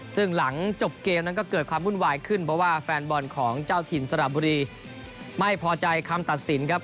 ซึ่งหลังจบเกมนั้นก็เกิดความวุ่นวายขึ้นเพราะว่าแฟนบอลของเจ้าถิ่นสระบุรีไม่พอใจคำตัดสินครับ